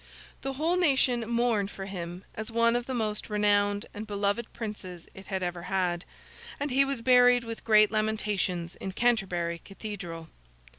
The whole nation mourned for him as one of the most renowned and beloved princes it had ever had; and he was buried with great lamentations in Canterbury Cathedral.